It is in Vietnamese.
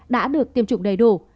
đã được tiêm chủng đầy đủ